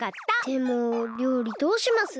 でもりょうりどうします？